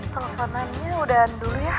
teleponannya udah dulu ya